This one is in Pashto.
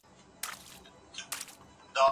سړي سر عاید اوس تر تیر وخت لوړ دی.